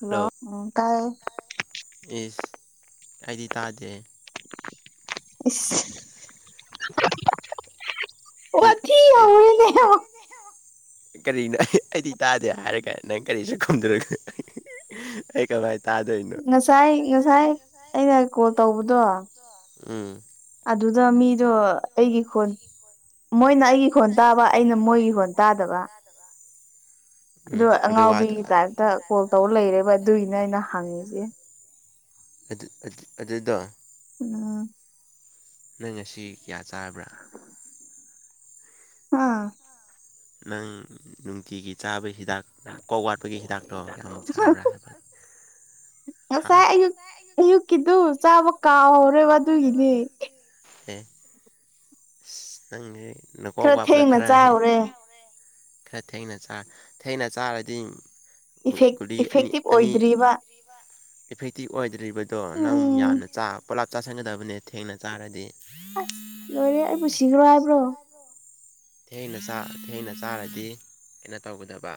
ꯍꯂ ꯍꯜꯂꯣ ꯎꯝ ꯀꯥꯏ ꯏꯁ ꯑꯩꯗꯤ ꯇꯥꯗꯦ ꯏꯁ ꯋꯥꯊꯤ ꯍꯧꯔꯦꯅꯦ ꯑꯣ ꯌꯥ ꯀꯔꯤꯅꯣ ꯑꯩ ꯑꯩꯗꯤ ꯇꯥꯗꯦ ꯍꯥꯏꯔꯒ ꯅꯪ ꯀꯔꯤꯁꯨ ꯈꯨꯝꯗꯔꯒ [unintelligible] ꯇꯥꯗꯣꯏꯅꯣ ꯉꯁꯥꯏ ꯉꯁꯥꯏ ꯑꯩꯅ ꯀꯣꯜ ꯇꯧꯕꯗꯣ ꯎꯝ ꯑꯗꯨꯗ ꯃꯤꯗꯣ ꯑꯩꯒꯤ ꯈꯣꯟ ꯃꯣꯏꯅ ꯑꯩꯒꯤ ꯍꯣꯟ ꯇꯥꯕ ꯑꯩꯅ ꯃꯣꯏꯒꯤ ꯍꯣꯟ ꯇꯥꯗꯕ [inaudible] ꯑꯗꯨ ꯑꯉꯥꯎꯕꯤꯒꯤ ꯇꯥꯏꯞꯇ ꯀꯣꯜ ꯇꯧꯔ ꯂꯩꯔꯦꯕ ꯑꯗꯨꯏꯅ ꯑꯩꯅ ꯍꯪꯉꯤꯁꯤ ꯑꯗꯨ ꯑꯗꯨ ꯑꯗꯨꯗꯣ ꯎꯝ ꯅꯪ ꯉꯁꯤ ꯀꯌꯥ ꯆꯥꯔꯕ꯭ꯔꯥ ꯍꯥꯥ ꯅꯪ ꯅꯨꯡꯇꯤꯒꯤ ꯆꯥꯕ ꯍꯤꯗꯥꯛ ꯀꯧ ꯋꯥꯠꯄꯒꯤ ꯍꯤꯗꯥꯛꯇꯣ ꯀꯌꯥꯃꯨꯛ ꯆꯥꯕ꯭ꯔꯥ ꯍꯥꯏꯕ ꯍꯥ ꯉꯁꯥꯏ ꯑꯌꯨꯛ ꯑꯌꯨꯛꯀꯤꯗꯨ ꯆꯥꯕ ꯀꯥꯎꯍꯧꯔꯦꯕ ꯑꯗꯨꯒꯤꯅꯦ ꯑꯦ ꯑꯁ ꯅꯪꯁꯦ ꯅꯀꯥꯎ ꯈꯔ ꯋꯥꯕꯗ ꯊꯦꯡꯅ ꯈꯔꯍꯦ ꯆꯥꯎꯔꯦ ꯈꯔ ꯊꯦꯡꯅ ꯆꯥ ꯊꯦꯡꯅ ꯆꯥꯔꯗꯤ ꯏꯐꯦꯛ ꯒꯨꯂꯤ ꯑꯅꯤ ꯏꯐꯦꯛꯇꯤꯞ ꯑꯅꯤ ꯑꯣꯏꯗ꯭ꯔꯤꯕ ꯏꯐꯦꯛꯇꯤꯞ ꯑꯣꯏꯗ꯭ꯔꯤꯕꯗꯣ ꯅꯪ ꯎꯝ ꯌꯥꯝꯅ ꯄꯨꯣꯂꯥꯞ ꯆꯥꯥꯁꯟꯒꯗꯕꯅꯦ ꯊꯦꯡꯅ ꯆꯥꯔꯗꯤ ꯑꯁ ꯂꯣꯏꯔꯦ ꯑꯩꯕꯨ ꯁꯤꯒ꯭ꯔꯣ ꯍꯥꯏꯕ꯭ꯔꯣ ꯊꯦꯡꯅ ꯆꯥ ꯊꯦꯡꯅ ꯆꯥꯔꯗꯤ ꯀꯩꯅꯣ ꯇꯧꯒꯗꯕ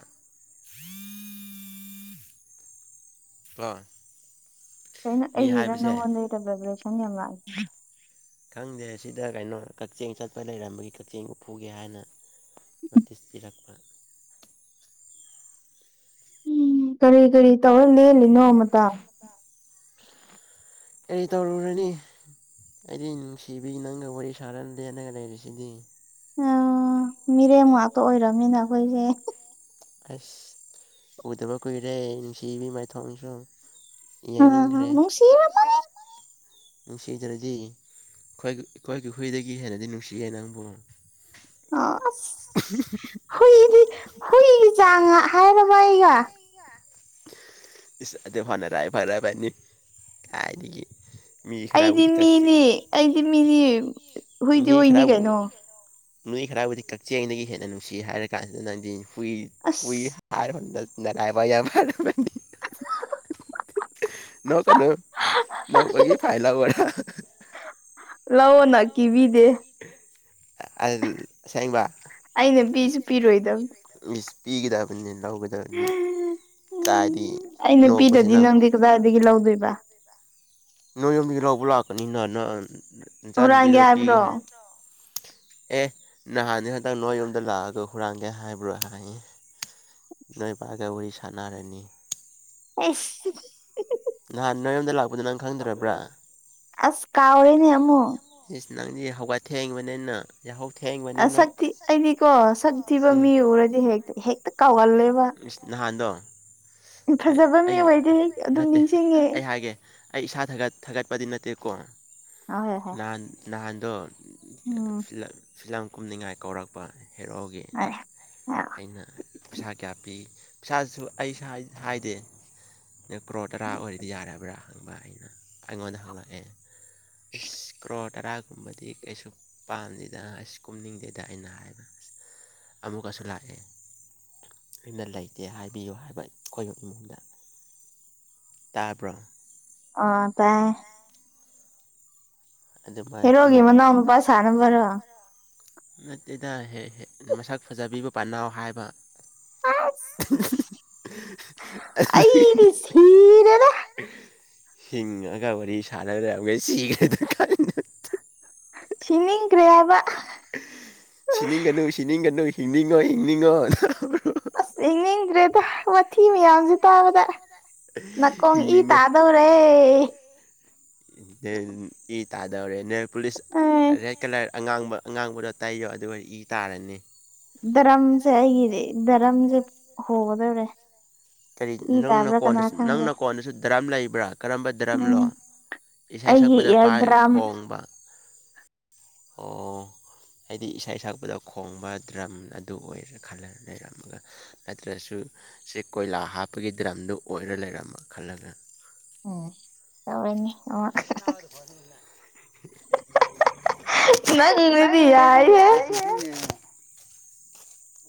ꯕꯥ ꯀꯩꯅꯣ ꯑꯩꯒꯥꯔ ꯅꯪꯉꯣꯟꯗꯩ ꯗꯕ꯭ꯔꯥꯏꯕꯦꯁꯟ ꯌꯥꯝ ꯂꯥꯛꯏ ꯈꯪꯗꯦ ꯁꯤꯗ ꯀꯩꯅꯣ ꯀꯛꯆꯦꯡ ꯆꯠꯄ ꯂꯩꯔꯝꯕꯒꯤ ꯀꯛꯆꯦꯡ ꯐꯨꯒꯦ ꯍꯥꯏꯅ ꯅꯣꯇꯤꯁ ꯄꯤꯔꯛꯄ ꯎꯝ ꯀꯔꯤ ꯀꯔꯤ ꯇꯧꯔ ꯂꯦꯜꯂꯤꯅꯣ ꯃꯇꯝ ꯀꯔꯤ ꯇꯧꯔꯨꯔꯅꯤ ꯑꯩꯗꯤ ꯅꯨꯡꯁꯤꯕꯤ ꯅꯪꯒ ꯋꯥꯔꯤ ꯁꯥꯥꯟꯅꯝꯗꯦꯅꯒ ꯂꯩꯔꯤꯁꯤꯗꯤ ꯑ ꯃꯤꯔꯦꯝ ꯉꯥꯛꯇ ꯑꯣꯏꯔꯕꯝꯅꯤꯅ ꯑꯩꯈꯣꯏꯁꯦ ꯑꯁ ꯎꯗꯕ ꯀꯨꯏꯔꯦ ꯅꯨꯡꯁꯤꯕꯤ ꯃꯥꯏꯊꯣꯡꯝꯁꯨ ꯑ ꯌꯦꯡꯅꯤꯡꯗ꯭ꯔꯦ ꯅꯨꯡꯁꯤꯔꯃꯟ ꯅꯨꯡꯁꯤꯗ꯭ꯔꯗꯤ ꯑꯈꯣꯏꯒꯤ ꯑꯈꯣꯏꯒꯤ ꯍꯨꯏꯗꯒꯤ ꯍꯦꯟꯅꯗꯤ ꯅꯨꯡꯁꯤꯌꯦ ꯅꯪꯕꯨ ꯑꯣ ꯑꯁ ꯍꯨꯏꯗꯤ ꯍꯨꯏꯒꯤ ꯆꯥꯡ ꯍꯥꯏꯔꯕ ꯑꯩꯒ ꯏꯁ ꯑꯗꯨ ꯐꯅꯔꯥꯏ ꯐꯔꯕꯅꯤ ꯀꯥꯏꯗꯒꯤ ꯃꯤ ꯑꯩꯗꯤ ꯈꯔꯕꯨꯗꯤ ꯀꯛꯆꯦꯡ ꯃꯤꯅꯤ ꯑꯩꯗꯤ ꯃꯤꯅꯤ ꯍꯨꯏꯗꯤ ꯃꯤ ꯍꯨꯏꯅꯤ ꯈꯔꯕꯨ ꯀꯩꯅꯣ ꯃꯤ ꯈꯔꯕꯨꯗꯤ ꯀꯛꯆꯦꯡꯗꯒꯤ ꯍꯦꯟꯅ ꯅꯨꯡꯁꯤꯌꯦ ꯍꯥꯏꯔ ꯀꯥꯟꯁꯤꯗ ꯅꯪꯗꯤ ꯍꯨꯏ ꯍꯨꯏ ꯑꯁ ꯍꯥꯏꯔꯃꯟꯗ ꯅꯂꯥꯏ ꯋꯥꯔꯤ ꯌꯥꯝ ꯃꯥꯜꯂꯝꯃꯅꯤ ꯅꯣꯛꯀꯅꯨ ꯅꯣꯛꯄꯒꯤ ꯐꯥꯏꯟ ꯂꯧꯋꯦ ꯂꯧꯑꯣꯅ ꯂꯧꯅ ꯀꯤꯕꯤꯗꯦ ꯑꯥꯏꯜ ꯑꯁꯦꯡꯕ ꯑꯩꯅ ꯄꯤꯁꯨ ꯄꯤꯔꯣꯏꯗ ꯏꯁ ꯄꯤꯒꯗꯕꯅꯤ ꯂꯧꯋꯦ ꯇꯥꯗꯤ ꯅꯣꯛꯄꯁꯤ ꯅꯪ ꯀꯔꯤꯒꯤ ꯂꯧꯗꯣꯏꯕ ꯅꯣꯏ ꯌꯨꯝꯗꯒꯤ ꯂꯧꯕ ꯂꯥꯛꯀꯅꯤꯅ ꯅꯪ ꯑꯟ ꯍꯨꯔꯥꯟꯒꯦ ꯅꯆꯥꯅꯨꯄꯤꯗꯣ ꯄꯤꯒꯦ ꯍꯥꯏꯕ꯭ꯔꯣ ꯍꯥꯏ ꯑꯦ ꯅꯍꯥꯟꯅꯦ ꯍꯟꯇꯛ ꯅꯣꯏ ꯌꯨꯝꯗ ꯂꯥꯛꯑꯒ ꯍꯨꯔꯥꯟꯒꯦ ꯍꯥꯏꯕ꯭ꯔꯣ ꯍꯥꯏꯌꯦ ꯅꯣꯏꯕꯥꯒ ꯋꯥꯔꯤ ꯁꯥꯟꯅꯔꯅꯤ ꯑꯩꯁ ꯅꯍꯥꯟ ꯅꯣꯏꯔꯣꯝꯗ ꯂꯥꯛꯄꯗꯣ ꯅꯪ ꯈꯪꯗ꯭ꯔꯕ꯭ꯔꯥ ꯑꯁ ꯀꯥꯎꯔꯦꯅꯦ ꯑꯃꯨꯛ ꯏꯁ ꯅꯪꯗꯤ ꯍꯧꯒꯠ ꯊꯦꯡꯕꯅꯤꯅ ꯌꯥꯍꯧ ꯊꯦꯡ ꯅꯁꯛꯊꯤ ꯑꯩꯗꯤꯀꯣ ꯁꯛ ꯊꯤꯕ ꯎꯝ ꯃꯤ ꯎꯔꯗꯤ ꯍꯦꯛꯇ ꯍꯦꯛꯇ ꯀꯥꯎꯒꯜꯂꯦꯕ ꯏꯁ ꯅꯍꯥꯟꯗꯣ ꯑꯩ ꯐꯖꯕ ꯃꯤ ꯑꯩ ꯑꯣꯏꯗꯤ ꯍꯦꯛ ꯑꯗꯨꯝ ꯅꯠꯇꯦ ꯅꯤꯡꯁꯤꯡꯉꯦ ꯑꯩ ꯍꯥꯏꯒꯦ ꯑꯩ ꯏꯁꯥ ꯊꯒꯠ ꯊꯥꯒꯠꯄꯗꯤ ꯅꯠꯇꯦꯀꯣ ꯑꯍꯣꯏ ꯍꯣꯏ ꯅꯍꯥꯟ ꯅꯍꯥꯟꯗꯣ ꯎꯝ ꯐꯤꯂꯝ ꯐꯤꯂꯝ ꯀꯨꯝꯅꯤꯡꯉꯥꯏ ꯀꯧꯔꯛꯄ ꯍꯦꯔꯣꯒꯤ [unintelligible] ꯑꯩꯅ ꯄꯩꯁꯥ ꯀꯌꯥ ꯄꯤ ꯄꯩꯁꯥꯁꯨ ꯑꯩꯁꯥꯏ ꯍꯥꯏꯗꯦ ꯅꯪ ꯄ꯭ꯔꯣ ꯇꯔꯥ ꯑꯣꯏꯔꯗꯤ ꯌꯥꯔꯕ꯭ꯔꯥ ꯍꯪꯕ ꯑꯩꯅ ꯑꯩꯉꯣꯟꯗ ꯍꯪꯂꯛꯑꯦ ꯏꯁ ꯀ꯭ꯔꯣꯔ ꯇꯔꯥꯒꯨꯝꯕꯗꯤ ꯀꯩꯁꯨ ꯄꯥꯝꯗꯦꯗ ꯑꯁ ꯀꯨꯝꯅꯤꯡꯗꯦꯗ ꯑꯩꯅ ꯍꯥꯏꯕ ꯑꯃꯨꯛꯀꯁꯨ ꯂꯥꯛ ꯑꯦ ꯑꯩꯅ ꯂꯩꯇꯦ ꯍꯥꯏꯕꯤꯌꯨ ꯍꯥꯏꯕ ꯑꯩꯈꯣꯏꯒꯤ ꯏꯃꯨꯡꯗ ꯇꯥꯕ꯭ꯔꯣ ꯑ ꯇꯥꯏ ꯑꯗꯨꯃꯥꯏ ꯍꯦꯔꯣꯒꯤ ꯃꯣꯏ ꯃꯅꯥꯎꯅꯨꯄꯥ ꯁꯥꯔꯝꯕꯔꯣ ꯅꯠꯇꯦꯗ ꯍ‌ꯦꯍ‌ꯦ ꯃꯁꯛ ꯐꯖꯕꯤꯕ ꯄꯥꯅꯧ ꯍꯥꯏꯕ ꯑꯁ [unintelligible] ꯁꯤꯔꯗ ꯍꯤꯡꯉꯒ ꯋꯥꯔꯤ ꯁꯥꯟꯅꯗ꯭ꯔꯒꯦ ꯁꯤꯈ꯭ꯔꯦꯗ ꯀꯥꯏꯅ ꯁꯤ ꯀꯦ [unintelligible] ꯁꯤꯅꯤꯡꯒꯅꯨ ꯁꯤꯅꯤꯡꯒꯅꯨ ꯍꯤꯡꯅꯤꯡꯉꯣ ꯍꯤꯡꯅꯤꯡꯉꯣ [unintelligible] ꯑꯁ ꯌꯦꯅꯤꯡꯗ꯭ꯔꯦꯗ ꯋꯥꯊꯤ ꯃꯌꯥꯝꯁꯦ ꯇꯥꯕꯗ ꯅꯀꯣꯪ ꯏ ꯍꯤꯡꯅꯤꯡꯉꯣ ꯇꯥꯗꯧ ꯔꯦ ꯅꯪ ꯏ ꯇꯥꯗꯧꯔꯦ ꯅ‌ꯣꯏ ꯄꯨꯂꯤꯁ ꯑꯦ ꯑꯥ ꯔꯦꯠ ꯀꯂꯔ ꯑꯉꯥꯡꯕ ꯑꯉꯥꯡꯕꯗꯣ ꯇꯩꯌꯣ ꯑꯗꯨꯒ ꯏ ꯇꯥꯔꯅꯤ ꯗꯔꯝꯁꯦ ꯑꯩꯒꯤꯗꯤ ꯗꯔꯝꯁꯦ ꯍꯣꯒꯗꯧꯔꯦ ꯀꯔꯤ ꯏ ꯅꯪꯅ ꯇꯥꯕ꯭ꯔꯥ ꯀꯅꯥ ꯀ‌ꯣꯟꯗꯁꯨ ꯈꯪꯗꯦ ꯅꯪꯅ ꯀꯣꯟꯅꯁꯨ ꯗꯔꯝ ꯂꯩꯕ꯭ꯔꯥ ꯀꯔꯝꯕ ꯗꯔꯝꯅꯣ ꯎꯝ ꯏꯁꯩ ꯑꯩꯒꯤ ꯁꯛꯄꯗ ꯄꯥꯏ ꯏꯌꯥꯔꯗ꯭ꯔꯥꯝ ꯈꯣꯡꯕ ꯑꯣ ꯑꯩꯗꯤ ꯏꯁꯩ ꯁꯛꯄꯗ ꯈꯣꯡꯕ ꯗ꯭ꯔꯝ ꯑꯗꯨ ꯑꯣꯏꯔꯦ ꯈꯜꯂ ꯂꯩꯔꯝꯃꯒ ꯅꯠꯇ꯭ꯔꯁꯨ ꯁꯤ ꯀꯣꯏꯂꯥ ꯍꯥꯞꯄꯒꯤ ꯗ꯭ꯔꯝꯗꯨ ꯑꯣꯏꯔ ꯂꯩꯔꯝꯃ ꯈꯜꯂꯒ ꯎꯝ ꯇꯧꯔꯅꯤ ꯑꯣ [inaudible] ꯅꯪꯗꯤ ꯌꯥꯏꯌꯦꯦ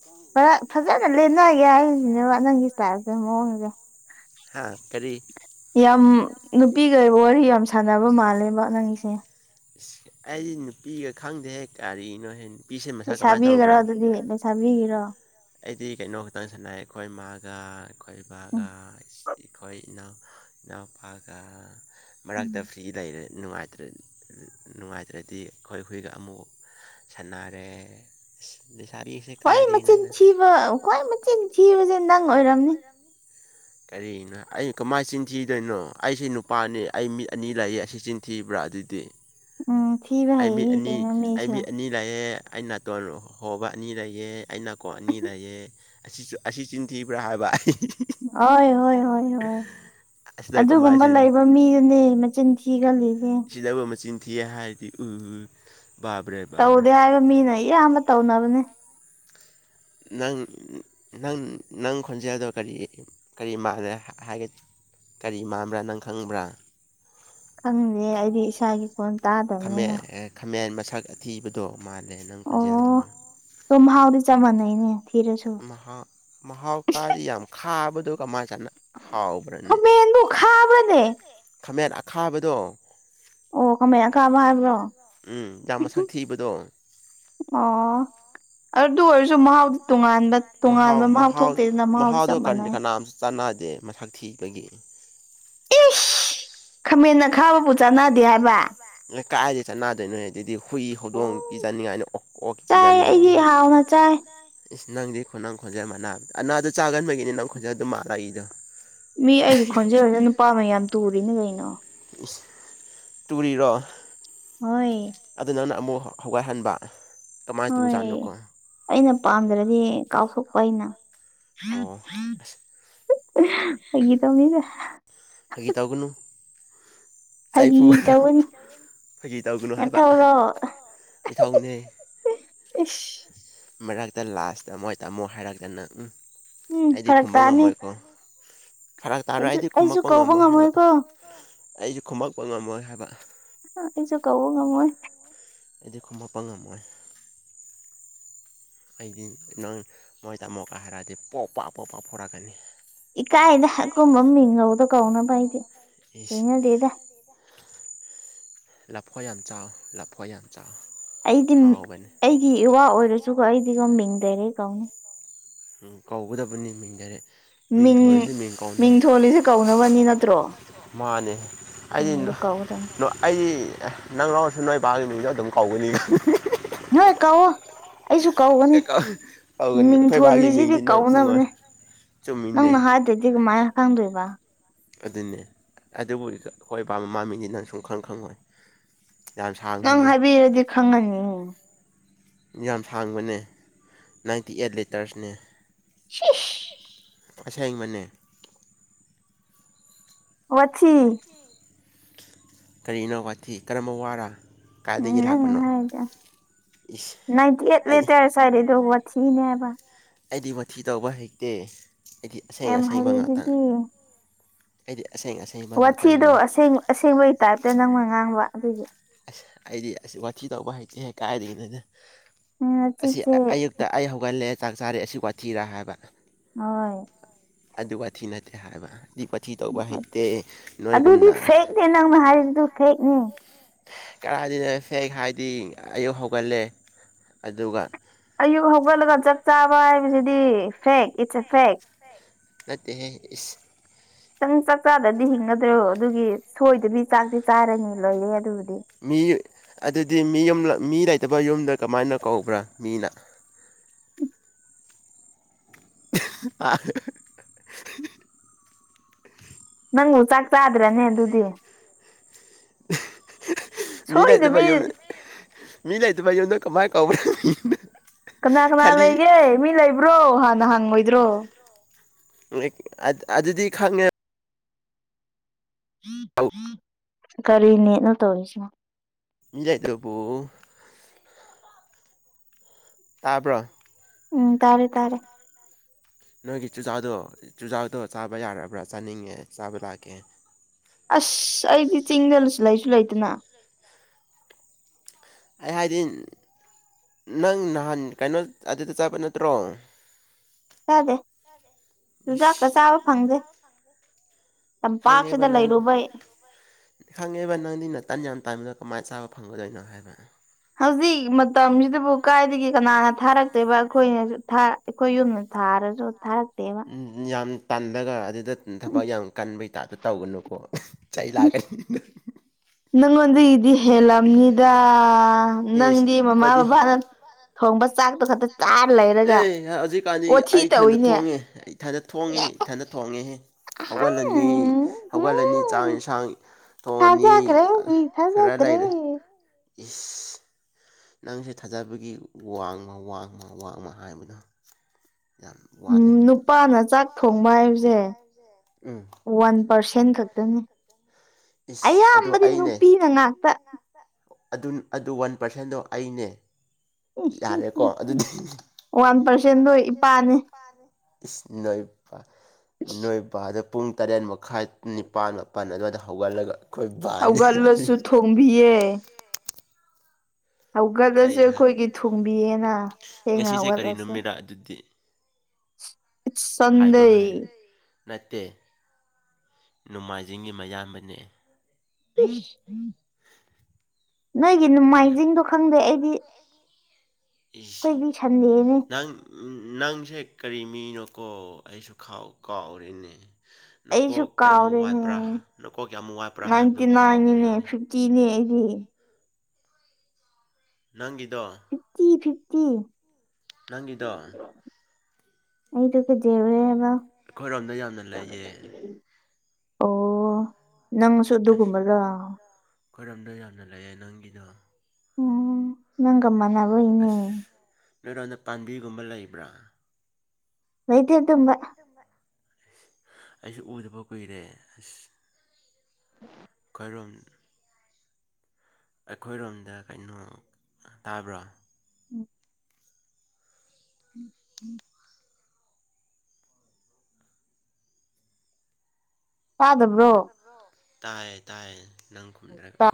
ꯋꯥ ꯈꯔ ꯐꯖꯅ ꯂꯦꯟꯅꯒꯦ ꯍꯥꯏꯔꯤꯅꯦꯕ ꯅꯪꯒꯤ ꯅꯗꯤ ꯏꯁꯇꯥꯏꯜꯁꯦ ꯃꯑꯣꯡꯁꯦ ꯍꯥ ꯀꯔꯤ ꯌꯥꯝ ꯅꯨꯄꯤꯒ ꯋꯥꯔꯤ ꯌꯥꯝ ꯁꯥꯟꯅꯕ ꯃꯥꯜꯂꯦꯕ ꯅꯪꯁꯦ ꯏꯁ ꯑꯩꯗꯤ ꯅꯨꯄꯤꯒ ꯈꯪꯗꯦꯍꯦ ꯀꯔꯤꯅꯣ ꯍꯦ ꯂꯩꯁꯥꯕꯤꯒꯔꯣ ꯑꯗꯨꯗꯤ ꯂꯩꯁꯥꯕꯤꯒꯤꯔꯣ ꯑꯩꯗꯤ ꯀꯩꯅꯣ ꯈꯛꯇꯪ ꯁꯥꯟꯅ ꯑꯩꯈꯣꯏ ꯏꯃꯥꯒ ꯑꯩꯈꯣꯏ ꯎꯝ ꯕꯥꯒ ꯑꯩꯈꯣꯏ ꯏꯅꯥꯎ ꯏꯅꯥꯎꯄꯥꯒ ꯎꯝ ꯃꯔꯛꯇ ꯐ꯭ꯔꯤ ꯂꯩꯔꯦ ꯅꯨꯡꯉꯥꯏꯇ꯭ꯔ ꯅꯨꯡꯉꯥꯏꯇ꯭ꯔꯗꯤ ꯑꯩꯈꯣꯏ ꯍꯨꯏꯒ ꯑꯃꯨꯛ ꯁꯅꯔꯦ ꯑ ꯂꯩꯁꯥꯔꯤꯁꯦ ꯈ꯭ꯋꯥꯏ ꯃꯆꯤꯟ ꯀꯥꯏꯗꯅꯗ ꯊꯤꯕ ꯈ꯭ꯋꯥꯏ ꯃꯆꯤꯟ ꯊꯤꯕꯁꯦ ꯅꯪ ꯑꯣꯏꯔꯝꯅꯤ ꯀꯔꯤꯅꯣ ꯑꯩ ꯀꯃꯥꯏꯅ ꯆꯤꯟꯊꯤꯗꯣꯏꯅꯣ ꯑꯩꯁꯤ ꯅꯨꯄꯥꯅꯤ ꯑꯩ ꯃꯤꯠ ꯑꯅꯤ ꯂꯩ ꯑꯁꯤ ꯊꯤꯕ꯭ꯔꯥ ꯑꯗꯨꯗꯤ ꯎꯝ ꯊꯤꯕ ꯑꯅꯤ ꯍꯩꯌꯦ ꯀꯩꯅꯣ ꯃꯤꯁꯨ ꯑꯅꯤ ꯂꯩꯌꯦ ꯑꯩ ꯅꯥꯇꯣꯟ ꯍꯣꯕ ꯑꯅꯤ ꯂꯩꯌꯦ ꯑꯩ ꯅꯥꯀꯣꯡ ꯑꯅꯤ ꯂꯩꯌꯦ ꯑꯁꯤꯁꯨ ꯑꯁꯤ ꯆꯤꯟꯊꯤꯕ꯭ꯔꯥ ꯍꯥꯏꯕ ꯑꯩ ꯍꯣꯏ ꯍꯣꯏ ꯍꯣꯏ ꯍꯣꯏ ꯑꯁꯤꯗ ꯀꯃꯥꯏ ꯑꯗꯨꯒꯨꯝꯕ ꯆꯤꯟ ꯂꯩꯕ ꯃꯤꯗꯨꯅꯦ ꯃꯆꯤꯟ ꯊꯤ ꯀꯤꯒꯜꯂꯤꯁ‌ꯦ ꯁꯤꯤꯗꯕꯨ ꯃꯆꯤꯟ ꯊꯤꯑ ꯍꯥꯏꯔꯗꯤ ꯎ ꯕꯥꯕ꯭ꯔꯦ ꯕꯥꯕ꯭ꯔꯦ ꯇꯧꯗꯦ ꯍꯥꯏꯕ ꯃꯤꯅ ꯏꯌꯥꯝꯕ ꯇꯧꯅꯕꯅꯦ ꯅꯪ ꯅꯪ ꯅꯪ ꯈꯣꯟꯖꯦꯜꯗꯣ ꯀꯔꯤ ꯀꯔꯤ ꯃꯥꯟꯂ‌ꯦ ꯍꯥꯏꯒ ꯒꯥꯔꯤ ꯃꯕ꯭ꯔꯥ ꯅꯪ ꯈꯪꯕ꯭ꯔꯥ ꯈꯪꯗ‌ꯦ ꯑꯩꯗꯤ ꯏꯁꯥꯒꯤ ꯈ‌ꯣꯟ ꯇꯥꯗ ꯃꯦꯟ ꯈꯥꯃꯦꯟ ꯃꯁꯛ ꯑꯊꯤꯕꯗꯣ ꯃꯥꯜꯂꯦ ꯅꯪ ꯈꯣꯟꯖꯦꯜ ꯇꯧꯅ ꯑꯧꯔꯤ ꯆ ꯃꯅꯏꯅꯦ ꯊꯤꯔꯦꯁꯨꯣ ꯃꯍꯥꯎ ꯀꯥꯗꯤ ꯌꯥꯝ ꯈꯥꯕꯗꯣ ꯀꯃꯥꯏ ꯆꯅ ꯍꯥꯎꯕ꯭ꯔꯅꯤ ꯈꯥꯃꯦꯟꯕꯨ ꯈꯥꯕ꯭ꯔꯅꯦ ꯈꯥꯃꯦꯟ ꯑꯈꯥꯕꯗꯣ ꯑꯣ ꯈꯥꯃꯦꯟ ꯑꯈꯥꯕ ꯍꯥꯏꯕ꯭ꯔꯣ ꯎꯝ ꯌꯥꯝ ꯃꯁꯛ ꯊꯤꯕꯗꯣ ꯑꯣ ꯑꯗꯨ ꯑꯣꯏꯔꯁꯨ ꯃꯍꯥꯎ ꯇꯣꯉꯥꯟꯕ ꯇꯣꯉꯥꯟꯕ ꯃꯍꯥꯎ ꯊꯣꯛꯇꯦꯗꯅ ꯃꯍꯥꯎꯗꯤ ꯆꯞ ꯃꯥꯟꯅꯩ ꯆꯅꯥꯗꯦ ꯃꯁꯛ ꯊꯤꯕꯒꯤ ꯏꯁ ꯈꯥꯃꯟꯅ ꯈꯥꯕꯕꯨ ꯆꯥꯟꯅꯗꯦ ꯍꯥꯏꯕ [unintelligible] ꯀꯥꯏꯗꯩ ꯆꯅꯥꯗꯣꯏꯅ‌ꯣꯍ‌ꯦ ꯑꯗꯩꯗꯤ ꯍꯨꯏ ꯍꯧꯗꯣꯡ ꯎꯝ ꯄꯤꯖꯥꯅꯤꯡꯉꯥꯏꯅꯤ ꯑꯣꯛ ꯑꯣꯛ ꯆꯥꯏ ꯄꯤꯖꯅꯤꯡꯉꯥꯏꯅꯤ ꯑꯩꯗꯤ ꯍꯥꯎꯅ ꯆꯥꯏ [unintelligible] ꯏꯁ ꯅꯪꯗꯤ ꯈꯣꯟꯅꯪ ꯈꯣꯟꯖꯦꯜ ꯃꯅꯥꯕꯗ ꯑꯅꯥꯗꯨ ꯆꯥꯒꯟꯕꯒꯤꯅꯤ ꯅꯪ ꯈꯣꯟꯖꯦꯜ ꯑꯗꯨ ꯃꯥꯜꯂꯛꯏꯗꯣ ꯃꯤ ꯑꯩꯒꯤ ꯑꯇꯩ ꯈꯣꯟꯖꯦꯜ ꯑꯣꯏꯗ ꯅꯨꯄꯥ ꯃꯌꯥꯝ ꯇꯨꯔꯤꯅ ꯀꯩꯅꯣ ꯏꯁ ꯇꯨꯨꯔꯤꯔꯣ ꯍꯣꯏ ꯑꯗꯨ ꯅꯪꯅ ꯑꯃꯨꯛ ꯍꯒꯥꯏꯍꯟꯕ ꯍꯣꯏ ꯑꯩꯅ ꯄꯥꯝꯗ꯭ꯔꯗꯤ ꯀꯥꯎꯊꯣꯛꯄ ꯑꯩꯅ ꯑꯣ ꯑꯁ [unintelligible] ꯐꯒꯤ ꯇꯧꯅꯤꯗ ꯐꯒꯤ ꯇꯥꯥꯎꯒꯅꯨ ꯐꯒꯤ ꯇꯧꯕꯅꯤ ꯐꯒꯤ ꯇꯧꯒꯅꯣ ꯍꯥꯏꯕ ꯅꯊꯧꯔꯣ ꯅꯊꯧꯔ‌ꯣ ꯏꯊꯧꯅꯦ ꯏꯁ ꯃꯔꯛꯇ ꯂꯥꯁꯇ ꯃꯣꯏ ꯇꯥꯃꯣ ꯍꯥꯏꯔꯛꯇꯅ ꯎꯝ ꯎꯝ ꯑꯩꯗꯤ ꯐꯔꯛ ꯈꯨꯝꯕ ꯇꯥꯅꯤ ꯉꯝꯃꯣꯏꯀꯣ ꯐꯔꯛ ꯇꯥꯔ ꯑꯩꯁꯨ ꯑꯩꯗꯤ ꯑꯩꯁꯨ ꯈꯨꯝꯃꯛꯄ ꯀꯧꯕ ꯉꯝꯃꯣꯏ ꯍꯥꯏꯕ ꯉꯝꯃꯣꯏꯀꯣ ꯑꯩꯁꯨ ꯈꯨꯝꯃꯛꯄ ꯉꯝꯃꯣꯏ ꯍꯥꯏꯕ ꯑꯥ ꯑꯩꯁꯨ ꯀꯧꯕ ꯉꯝꯃꯣꯏ ꯑꯩꯗꯤ ꯈꯣꯃꯛꯄ ꯉꯝꯃꯣꯏ ꯑꯩꯗꯤ ꯅꯪ ꯃꯣꯏ ꯇꯥꯃꯣꯀ ꯍꯥꯏꯔꯛꯑꯗꯤ ꯄꯣꯛ ꯄꯥꯛ ꯄꯣꯛ ꯄꯥꯛ ꯐꯣꯔꯛꯀꯅꯤ ꯏꯀꯥꯏꯗ ꯑꯀꯨꯝꯕ ꯃꯤꯡꯒꯧꯗ‌ꯣ ꯀꯧꯅꯕ ꯑꯩꯗꯤ ꯏꯁ ꯍꯩꯅꯗꯦꯗ ꯂꯐꯣꯏ ꯌꯥꯝ ꯆꯥꯎ ꯂꯐꯣꯏ ꯌꯥꯝ ꯆꯥꯎ ꯍꯥꯎꯕꯅꯤ ꯋꯥ ꯑꯣꯏꯔꯁꯨꯒ ꯑꯩꯗꯤꯒ ꯃꯤꯡꯗꯔꯦ ꯀꯥꯎꯅꯤ ꯎꯝ ꯀꯧꯒꯗꯕꯅꯤ ꯃꯤꯡ ꯗꯥꯏꯔꯦꯛ ꯃꯤꯡ ꯃꯤꯡ ꯊꯣꯜꯂꯤꯁꯦ ꯀꯧꯅꯕꯅꯤ ꯅꯠꯇ꯭ꯔꯣ ꯃꯥꯅꯦ ꯑꯩꯗꯤ ꯎꯝ ꯑꯗꯨ ꯀꯧꯒꯗꯕꯅꯤ ꯑꯩꯗꯤ ꯅꯪ ꯉꯥꯎꯔꯁꯨ ꯅꯣꯏ ꯕꯥꯒꯤ ꯃꯤꯡꯗ ꯑꯗꯨꯝ ꯀꯧꯒꯅꯤ ꯍꯑ ꯀꯥꯎꯣ ꯑꯩꯁꯨ ꯀꯧꯒꯅꯤ ꯀꯧꯒꯅꯤ ꯑꯩꯈꯣꯏ ꯃꯤꯡꯊꯣꯜꯂꯤꯁꯤꯗꯤ ꯀꯧꯅꯕꯅꯦ ꯆꯨꯝꯃꯤꯅꯦꯦ ꯍꯥꯗ꯭ꯔꯗꯤ ꯒꯃꯥꯏ ꯈꯪꯗ‌ꯣꯏꯕ ꯑꯗꯨꯅꯦ ꯑꯗꯨꯕꯨ ꯑ ꯑꯩꯈꯣꯏ ꯕꯥ ꯃꯃꯤꯅꯤ ꯅꯪ ꯁꯨꯡꯈꯪ ꯈꯪꯉꯣꯏ ꯌꯥꯝ ꯅꯪ ꯁꯥꯡꯕꯅꯦ ꯍꯥꯏꯕꯤꯔꯗꯤ ꯈꯪꯉꯅꯤ ꯌꯥꯝ ꯁꯥꯡꯕꯅꯦ ꯅꯥꯏꯟꯇꯤ ꯑꯩꯠ ꯂꯤꯇꯔꯁꯅꯦ ꯁꯤꯖ ꯑꯁ ꯑꯩ ꯃꯅꯦ ꯋꯥ ꯀꯔꯤꯅꯣ ꯋꯥꯊꯤ ꯀꯔꯝꯕ ꯋꯥꯔ ꯎꯝ ꯀꯥꯏꯗꯒꯤ ꯅꯪ ꯂꯥꯛꯄꯅꯣ ꯍꯥꯏꯗꯣ ꯏꯁ ꯅꯥꯏꯟꯇꯤ ꯑꯩꯠ ꯑꯩ ꯂꯤꯇꯔꯁꯔꯤꯗ ꯋꯥ ꯊꯅꯦꯕ ꯑꯩꯗꯤ ꯃꯊꯤ ꯇꯧꯕ ꯍꯩꯇꯦ ꯑꯩꯗꯤ ꯑꯁꯦꯡ ꯌꯥꯝ ꯑꯁꯦꯡꯕ ꯉꯥꯛꯇ ꯍꯩꯗꯨꯗꯤ ꯑꯩꯗꯤ ꯑꯁꯦꯡ ꯑꯁꯦꯪꯕ ꯋꯥꯊꯤꯗꯣ ꯑꯁꯦꯡ ꯑꯁꯦꯡꯕꯒꯤ ꯇꯥꯏꯞꯇ ꯅꯪꯅ ꯉꯥꯡꯕ ꯑꯗꯨꯒꯤ ꯑꯁ ꯑꯩꯗꯤ ꯑꯁ ꯋꯥꯆꯤ ꯇꯧꯕ ꯍꯩꯇꯦꯦꯛ ꯀꯥꯏꯔꯤꯅꯤꯅ ꯎꯝ ꯑꯁꯤ ꯅꯆꯤꯟꯁꯦ ꯑꯨ ꯗ ꯑꯩ ꯍꯧꯒꯠꯂꯦ ꯆꯥꯛ ꯆꯥꯔꯦ ꯑꯁꯤ ꯋꯥꯊꯤꯔꯥ ꯍꯥꯏꯕ ꯍꯣꯏ ꯑꯗꯨ ꯋꯥꯊꯤ ꯅꯠꯇꯦ ꯍꯥꯏꯕ ꯗꯤ ꯄꯥꯊꯤ ꯇꯧꯕ ꯍꯩꯇꯦ ꯅꯣꯏꯒꯨꯝꯅ ꯑꯗꯨꯗꯤ ꯐꯦꯛꯅꯦ ꯅꯪꯅ ꯍꯥꯏꯔꯤꯗꯨ ꯐꯦꯛꯅꯦ ꯀꯔꯗꯤꯅ ꯁꯦꯡ ꯍꯥꯏꯗꯤ ꯑꯌꯨꯛ ꯍꯧꯒꯠꯂꯦ ꯑꯗꯨꯒ ꯑꯌꯨꯛ ꯍꯧꯒꯠꯂꯒ ꯆꯞ ꯆꯥꯕ ꯍꯥꯏꯕꯁꯤꯗꯤ ꯐꯦꯛ ꯏꯠꯁ ꯑꯦ ꯐꯦꯛ ꯅꯠꯇꯦ ꯏꯁ ꯈꯤꯇꯪ ꯆꯥꯛ ꯆꯥꯗꯗꯤ ꯍꯤꯡꯒꯗ꯭ꯔꯣ ꯑꯗꯨꯒꯤ ꯁꯣꯏꯗꯕꯤ ꯆꯥꯛꯇꯤ ꯆꯥꯔꯅꯤ ꯂꯣꯏꯔꯦ ꯑꯗꯨꯕꯨꯗꯤ ꯃꯤ ꯑꯗꯨꯗꯤ ꯃꯤ ꯃꯤ ꯂꯩꯇꯕ ꯌꯨꯝꯗ ꯀꯃꯥꯏꯅ ꯀꯧꯕ꯭ꯔꯥ ꯃꯤꯅ [unintelligible] ꯅꯪꯕꯨ ꯆꯥꯛ ꯆꯥꯗ꯭ꯔꯅꯦ ꯑꯗꯨꯗꯤ ꯃꯤ ꯂꯩꯇꯕ ꯁꯣꯏꯗꯕꯤ ꯌꯨꯝꯅꯤ ꯃꯤ ꯂꯩꯇꯕ ꯌꯨꯝꯗ ꯀꯃꯥꯏꯅ ꯀꯧꯕ꯭ꯔꯥ ꯃꯤꯅ ꯀꯅꯥ ꯀꯅꯥ ꯂꯩꯒꯦ ꯃꯤ ꯂꯩꯕ꯭ꯔꯣ ꯍꯥꯟꯅ ꯍꯪꯉꯣꯏꯗ꯭ꯔꯣ ꯅꫭꯏ ꯑ ꯑꯗꯨꯗꯤ ꯈꯪꯉꯦ ꯀꯔꯤꯅꯦꯠꯅꯣ ꯇꯧꯔꯤꯁꯤꯅ ꯂꯦꯠꯂꯕꫭ ꯇꯥꯕꯔꫭ ꯎꯝ ꯇꯥꯔꯦ ꯇꯥꯔꯦ ꯅꯣꯏꯒꯤ ꯆꯨꯖꯥꯛꯗꯣ ꯆꯨꯖꯥꯛꯗꯣ ꯆꯥꯕ ꯌꯥꯔꯕ꯭ꯔꯥ ꯆꯥꯅꯤꯡꯉꯦ ꯆꯥꯕ ꯂꯥꯛꯀꯦ ꯑꯁ ꯑꯩꯗꯤ ꯆꯤꯡꯗ ꯂꯨꯁꯨ ꯂꯩꯁꯨ ꯂꯩꯇꯅ ꯑꯩ ꯍꯥꯏꯗꯤ ꯅꯪ ꯅꯍꯥꯟ ꯀꯩꯅꯣ ꯑꯗꯨꯗ ꯆꯠꯄ ꯅꯠꯇ꯭ꯔꯣ ꯆꯥꯗꯦ ꯆꯨꯖꯥꯛꯀ ꯆꯥꯕ ꯐꯪꯗꯦ ꯈꯪꯉꯦꯕ ꯇꯝꯄꯥꯛꯁꯤꯗ ꯅꯪ ꯂꯩꯔꯨꯕꯩ ꯈꯪꯉꯦꯕ ꯅꯪꯗꯤ ꯇꯟ ꯌꯥꯝ ꯇꯥꯏꯕꯗꯣ ꯀꯃꯥꯏꯅ ꯆꯥꯕ ꯐꯪꯒꯗꯣꯏꯅꯣ ꯍꯥꯏꯕ ꯍꯧꯖꯤꯛ ꯃꯇꯝꯁꯤꯗꯕꯨ ꯀꯥꯏꯗꯒꯤ ꯀꯅꯥꯅ ꯊꯥꯔꯛꯇꯦꯕ ꯑꯩꯈꯣꯏꯅꯁꯨ ꯑꯩꯈꯣꯏ ꯌꯨꯝꯗ ꯊꯥꯔꯁꯨ ꯊꯥꯔꯛꯇꯦꯕ ꯎꯝ ꯌꯥꯝ ꯇꯜꯂꯒ ꯑꯗꯨ ꯑꯗꯨꯅ ꯊꯕꯛ ꯌꯥꯝ ꯀꯟꯕꯩꯇꯥꯞꯇ ꯇꯧꯒꯅꯨꯀꯣ ꯆꯩ ꯂꯥꯛꯀꯅꯤ ꯅꯪ ꯅꯪꯉꯣꯟꯗꯒꯤꯗꯤ ꯍꯦꯜꯂꯝꯅꯤꯗ ꯏꯁ ꯅꯪꯗꯤ ꯃꯃꯥ ꯑꯩꯈꯣꯏꯗꯤ ꯕꯕꯥꯅ ꯊꯣꯡꯕ ꯆꯥꯛꯇꯣ ꯈꯛꯇ ꯇꯥꯔ ꯂꯩ ꯑꯦ ꯍꯧꯖꯤꯛꯀꯥꯟꯗꯤ ꯑꯩ ꯏꯊꯟꯗ ꯊꯣꯡꯉꯦ ꯑꯩ ꯏꯊꯟꯗ ꯊꯣꯡꯉꯦ ꯏꯊꯟꯗ ꯊꯣꯡꯉꯦꯍꯦ ꯍꯧꯒꯠꯂꯅꯤ ꯎꯝ ꯍꯧꯒꯠꯂꯅꯤ ꯎꯝ ꯆꯥꯡ ꯌꯦꯟꯁꯥꯡ ꯇꯣꯅꯤ ꯊꯥꯖꯈ꯭ꯔꯦ ꯈꯔ ꯊꯥꯖꯗ꯭ꯔꯦ ꯂꯩꯔꯦ ꯏꯁ ꯅꯪꯁꯦ ꯊꯥꯖꯕꯒꯤ ꯋꯥꯡꯃ ꯋꯥꯡꯃ ꯋꯥꯡꯃ ꯍꯥꯏꯕꯗꯣ ꯌꯥꯝ ꯋꯥꯠꯂꯦ ꯅ ꯆꯥꯛ ꯊꯣꯡꯕ ꯍꯥꯏꯕꯁꯦ ꯎꯝ ꯋꯥꯟ ꯄꯥꯔꯁꯦꯟ ꯈꯛꯇꯅꯤ ꯏꯁ ꯑꯗꯨ ꯑꯌꯥꯝꯕꯗꯤ ꯑꯩꯅꯦ ꯅꯨꯄꯤꯅ ꯉꯥꯛꯇ ꯑꯗꯨ ꯑꯗꯨ ꯋꯥꯟ ꯄꯥꯔꯁꯦꯟꯗꯣ ꯑꯩꯅꯦ ꯌꯥꯔꯦꯀꯣ ꯑꯗꯨꯗꯤ ꯋꯥꯟ ꯋꯥꯟ ꯄꯥꯔꯁꯦꯟꯗꯣ ꯄꯔꯁꯦꯟꯗꫭ ꯏꯄꯥꯅꯦ ꯏꯁ ꯅꯣꯏꯕ ꯅꯣꯏꯕꯗꯣ ꯄꯨꯡ ꯇꯔꯦꯠ ꯃꯈꯥꯏ ꯅꯤꯄꯥꯜ ꯃꯥꯄꯜ ꯑꯗꯨꯋꯥꯏꯗ ꯍꯧꯒꯠꯂꯒ ꯑꯩꯈꯣꯏ ꯕꯥꯅꯤ ꯀꯨꯝꯕꯤꯌꯦ ꯍꯧꯒꯠꯂꯁꯨ ꯑꯩ ꯍꯥ ꯑꯩꯈꯣꯏꯒꯤ ꯊꯣꯡꯕꯤꯌꯦꯅ ꯊꯦꯡꯅ ꯉꯁꯤꯁꯦ ꯀꯔꯤ ꯍꯧꯒꯠꯂꯁꯨ ꯅꯨꯃꯤꯠꯔꯥ ꯑꯗꯨꯗꯤ ꯏꯠꯁ ꯍꯥꯏꯕ ꯁꯟꯗꯦ ꯍꯥꯏ ꯅꯠꯇꯦ ꯅꯣꯡꯃꯥꯏꯖꯤꯡꯒꯤ ꯃꯌꯥꯝꯕ ꯅꯦ ꯏꯁ ꯅꯣꯏꯒꯤ ꯌꯥ ꯅꯣꯡꯃꯥꯏꯖꯤꯡꯗꯣ ꯈꯪꯗꯦ ꯑꯩꯗꯤ ꯏꯁ ꯑꯩꯈꯣꯏꯗꯤ ꯁꯟꯗꯦꯅꯦ ꯅꯪ ꯅꯪꯁꯦ ꯀꯔꯤ ꯃꯤꯅꯣꯀꯣ ꯑꯩꯁꯨ ꯈꯥꯎ ꯀꯥꯎꯔꯦꯅꯦ ꯑꯩꯁꯨ ꯅꯀꯣꯛ ꯀꯌꯥꯃꯨꯛ ꯀꯥꯎꯔꯦꯅꯦ ꯋꯥꯠꯄ꯭ꯔꯥ ꯅꯀꯣꯛ ꯀꯌꯥꯃꯨꯛ ꯋꯥꯠꯄ꯭ꯔꯥ ꯍꯥꯏꯕꯗꯨ ꯀꯥꯎꯒꯔꯦꯅꯦ ꯆꯤꯅꯦ ꯑꯩꯗꯤ ꯅꯪꯒꯤꯗꯣ ꯐꯤꯐꯇꯤ ꯐꯤꯐꯇꯤ ꯅꯪꯒꯤꯗꯣ ꯑꯩꯗꫭ ꯀꯩꯗꯧꯔꯦꯕ ꯑꯩꯈꯣꯏꯔꯣꯝꯗ ꯌꯥꯝꯅ ꯂꯩꯌꯦ ꯑꯣ ꯅꯪꯁꯨ ꯑꯗꯨꯒꯨꯝꯕꯔꯥ ꯈꯣꯏꯔꯣꯝꯗ ꯌꯥꯝꯅ ꯂꯩꯌꯦ ꯅꯪꯒꯤꯗꯣ ꯎꯝ ꯅꯪꯒ ꯃꯥꯟꯅꯕ꯭ꯔꯥ ꯌꯦꯡꯉꯣ ꯅꯣꯏꯔꯣꯟꯗ ꯄꯥꯟꯕꯤꯒꯨꯝꯕ ꯂꯩꯕ꯭ꯔꯥ ꯂꯩꯇꯦ ꯑꯗꯨꯝꯕ ꯑꯩꯁꯨ ꯎꯗꯕ ꯀꯨꯏꯔꯦ ꯑꯁ ꯔꯨꯝ ꯑꯩꯈꯣꯏꯔꯣꯝꯗ ꯀꯩꯅꯣ ꯇꯥꯕ꯭ꯔꯣ ꯎꯝ ꯎꯝ ꯇꯥꯗꯕ꯭ꯔꯣ ꯇꯥꯏꯑꯦ ꯇꯥꯏꯑꯦ ꯅꯪ ꯈꯨꯝꯗꯔꯒ ꯇꯥ ꯑꯩꯈꯣꯏ